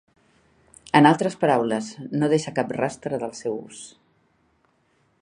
En altres paraules, no deixa cap rastre del seu ús.